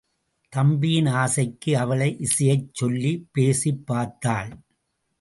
தம்பியின் ஆசைக்கு அவளை இசையச் சொல்லிப் பேசிப் பார்த்தாள்.